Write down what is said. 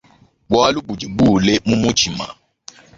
Bualu budi buule mu mutshima.